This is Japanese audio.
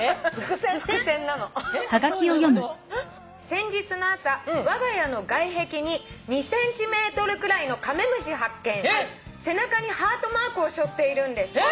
「先日の朝わが家の外壁に２ｃｍくらいのカメムシ発見」「背中にハートマークをしょっているんです」